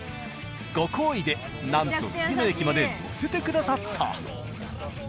ご厚意でなんと次の駅まで乗せてくださった。